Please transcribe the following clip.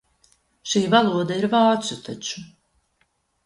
Šī valoda ir vācu taču.